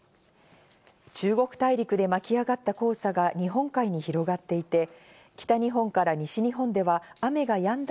中国大陸で巻き上がった黄砂が日本海に広がっていて、北日本から西日本では雨がやんだ